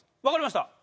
わかりました。